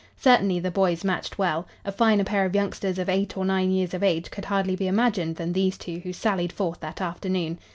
Certainly the boys matched well. A finer pair of youngsters of eight or nine years of age could hardly be imagined than these two who sallied forth that afternoon.